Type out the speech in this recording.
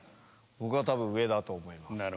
僕は多分上だと思います。